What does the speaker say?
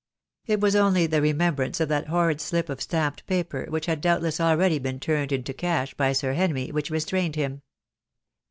It was only the remembrance of that horrid slip of stamped paper, which had doubtless already been turned into cash by Sir Henry, which restrained him.